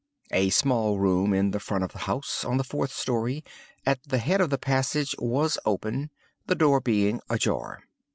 A small room in the front of the house, on the fourth story, at the head of the passage was open, the door being ajar.